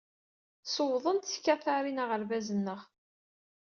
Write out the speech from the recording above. Sewḍent tkatarin aɣerbaz-nneɣ.